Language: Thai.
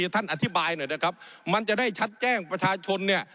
ท่านอธิบายหน่อยนะครับมันจะได้ชัดแจ้งประชาชนเนี่ย